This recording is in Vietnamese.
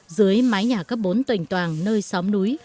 dưới mái nhà cấp bốn tuệnh toàn nơi xóm núi